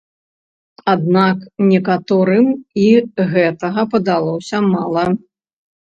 Аднак некаторым і гэтага падалося мала.